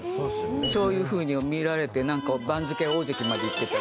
そういうふうに見られてなんか番付大関までいってた。